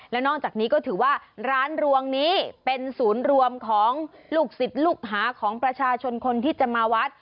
แล้วนอกจากนี้ก็ถือว่าร้านรวงนี้เป็นศูนย์รวมของลูกศิษย์ลูกหาของประชาชนคนที่จะมาวัด